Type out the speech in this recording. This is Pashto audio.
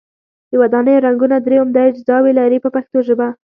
د ودانیو رنګونه درې عمده اجزاوې لري په پښتو ژبه.